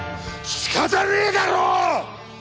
仕方ねえだろ！